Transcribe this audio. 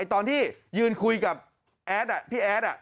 ตอนที่ยืนคุยกับแอดพี่แอด